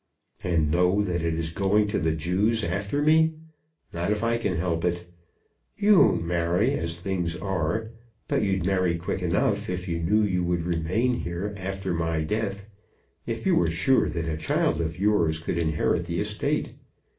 "And know that it is going to the Jews after me! Not if I can help it. You won't marry, as things are; but you'd marry quick enough if you knew you would remain here after my death; if you were sure that a child of yours could inherit the estate.